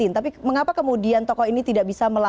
tapi mengapa kemudian tokoh ini tidak bisa melakukan